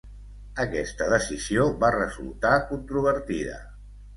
Aquesta decisió va resultar controvertida.